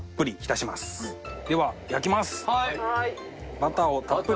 バターをたっぷり。